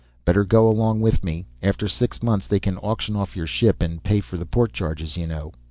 "Better go along with me. After six months they can auction off your ship to pay for the port charges, you know."